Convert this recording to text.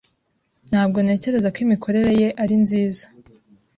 Ntabwo ntekereza ko imikorere ye yari nziza.